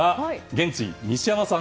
現地、西山さん